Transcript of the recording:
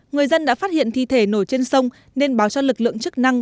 người dân đã phát hiện thi thể nổi trên sông nên báo cho lực lượng chức năng